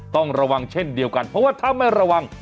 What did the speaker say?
ต้องระวังเช่นเดียวกันเพราะว่าถ้าไม่ระวัง